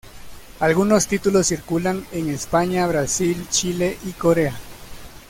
Algunos títulos circulan en España, Brasil, Chile y Corea.